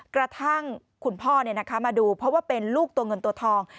กระทั่งคุณพ่อมาดูเพราะว่าเป็นลูกตัวเงินตัวทอง